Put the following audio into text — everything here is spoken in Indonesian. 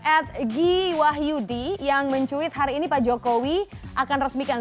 edgy wahyudi yang mencuit hari ini pak jokowi akan resmikan